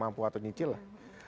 mampu atau nyicil lah